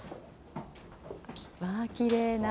わー、きれいな。